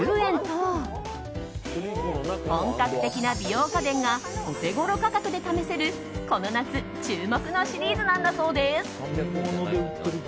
本格的な美容家電がオテゴロ価格で試せるこの夏注目のシリーズなんだそうです。